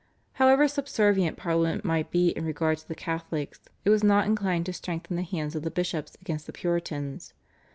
However subservient Parliament might be in regard to the Catholics it was not inclined to strengthen the hands of the bishops against the Puritans.